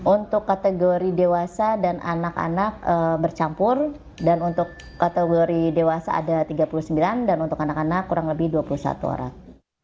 untuk kategori dewasa dan anak anak bercampur dan untuk kategori dewasa ada tiga puluh sembilan dan untuk anak anak kurang lebih dua puluh satu orang